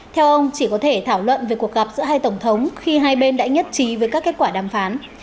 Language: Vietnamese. theo ông chỉ có thể thảo luận về cuộc gặp giữa hai tổng thống khi hai bên đã nhất trí với các kết quả đàm phán